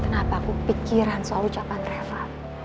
kenapa aku pikiran soal ucapan reva